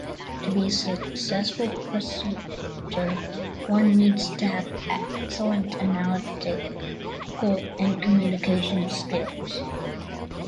To be a successful prosecutor, one needs to have excellent analytical and communication skills.